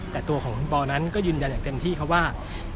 แต่ตัวของคุณปอนั้นก็ยืนยันอย่างเต็มที่ครับว่า